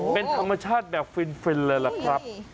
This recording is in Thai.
เป็นธรรมชาติแบบฟินเลยล่ะครับ